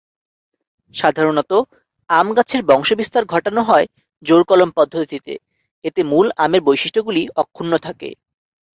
সাধারণত আম গাছের বংশবিস্তার ঘটানো হয় জোড়কলম পদ্ধতিতে, এতে মূল আমের বৈশিষ্ট্যগুলি অক্ষুণ্ণ থাকে।